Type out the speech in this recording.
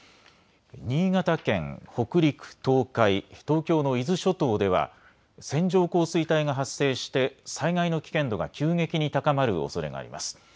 新潟県、北陸、東海、東京の伊豆諸島では線状降水帯が発生して災害の危険度が急激に高まるおそれがあります。